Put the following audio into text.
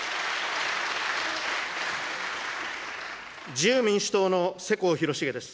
自由民主党の世耕弘成です。